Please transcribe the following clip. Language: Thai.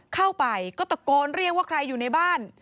เข้าไปก็ตะโกนเรียกว่าใครอยู่ในบ้าน